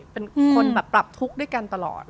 เป็นคนแบบปรับทุกข์ด้วยกันตลอด